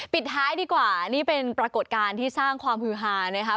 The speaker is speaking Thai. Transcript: ปิดท้ายดีกว่านี่เป็นปรากฏการณ์ที่สร้างความฮือฮานะครับ